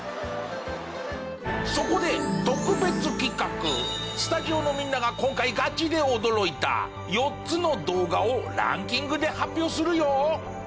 そこで特別企画スタジオのみんなが今回ガチで驚いた４つの動画をランキングで発表するよ。